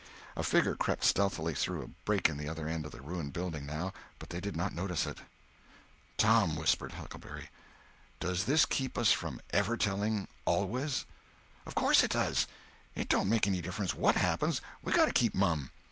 A figure crept stealthily through a break in the other end of the ruined building, now, but they did not notice it. "Tom," whispered Huckleberry, "does this keep us from ever telling—always?" "Of course it does. It don't make any difference what happens, we got to keep mum.